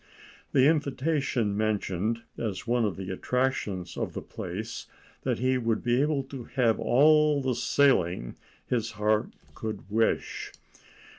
The invitation mentioned, as one of the attractions of the place, that he would be able to have all the sailing that his heart could wish.